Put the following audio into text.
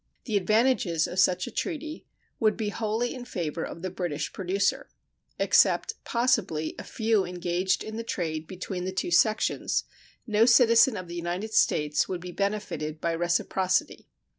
The advantages of such a treaty would be wholly in favor of the British producer. Except, possibly, a few engaged in the trade between the two sections, no citizen of the United States would be benefited by reciprocity.